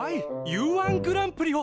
Ｕ−１グランプリを！